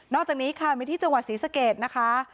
อกจากนี้ค่ะมีที่จังหวัดศรีสะเกดนะคะ